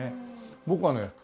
僕はね